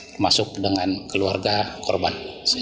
termasuk dengan keluarga korban